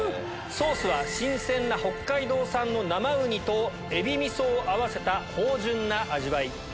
ソースは新鮮な北海道産の生ウニとエビみそを合わせた芳醇な味わい。